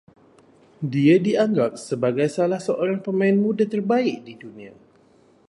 Dia dianggap sebagai salah seorang pemain muda terbaik di dunia